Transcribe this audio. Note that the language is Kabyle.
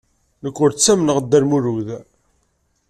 Nekk ur ttamneɣ Dda Lmulud.